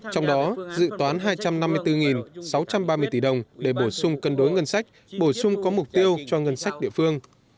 trong đó dự toán hai trăm năm mươi bốn sáu trăm ba mươi tỷ đồng để bổ sung cân đối ngân sách bổ sung có mục tiêu cho ngân sách địa phương